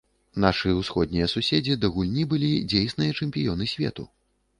Нашы ўсходнія суседзі да гульні былі дзейсныя чэмпіёны свету.